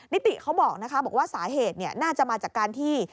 นิติเขาบอกนะคะบอกว่าสาเหตุน่าจะมาจากการที่